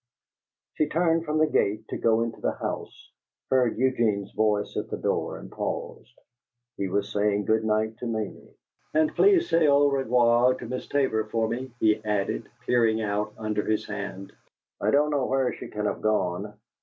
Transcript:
She turned from the gate to go into the house, heard Eugene's voice at the door, and paused. He was saying good night to Mamie. "And please say 'au revoir' to Miss Tabor for me," he added, peering out under his hand. "I don't know where she can have gone."